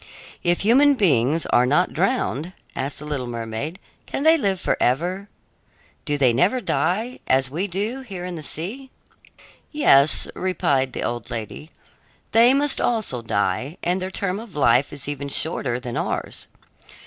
"If human beings are not drowned," asked the little mermaid, "can they live forever? Do they never die, as we do here in the sea?" "Yes," replied the old lady, "they must also die, and their term of life is even shorter than ours.